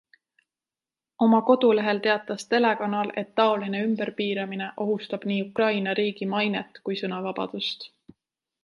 Oma kodulehel teatas telekanal, et taoline ümberpiiramine ohustab nii Ukraina riigi mainet kui sõnavabadust.